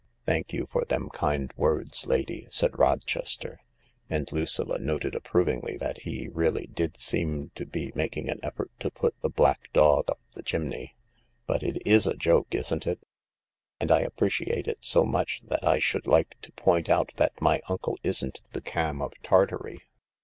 "Thank you for them kind words, lady," said Rochester , and Lucilla noted approvingly that he really did seem to be making an effort to put the black dog up the chimney. " But it is a joke, isn't it ? And I appreciate it so much that I should like to point out that my uncle isn't the Cham of Tartary."